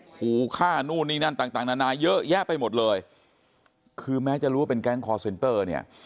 ขู่ฆ่านู่นนี่นั่นต่างต่างนานาเยอะแยะไปหมดเลยคือแม้จะรู้ว่าเป็นแก๊งคอร์เซนเตอร์เนี่ย